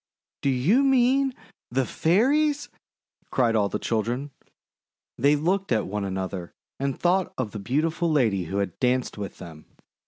:<Do you mean the Fairies?' cried all the children. They looked at one another and thought of the beautiful lady who had danced with them.